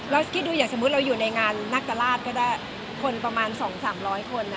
เราอยู่ในงานนักฎราชก็ได้คนประมาณ๒๓๐๐คน